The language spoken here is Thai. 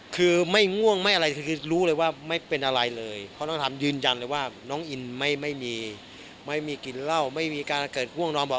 คือไม่ง่วงไม่อะไรคือรู้เลยว่าไม่เป็นอะไรเลยเพราะน้องถามยืนยันเลยว่าน้องอินไม่มีไม่มีกินเหล้าไม่มีการเกิดง่วงนอนบอก